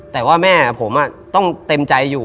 แต่ว่าแม่ผมต้องเต็มใจอยู่